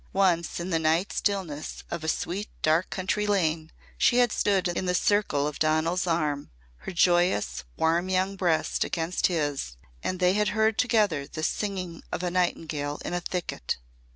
Once in the night stillness of a sweet dark country lane she had stood in the circle of Donal's arm, her joyous, warm young breast against his and they had heard together the singing of a nightingale in a thicket.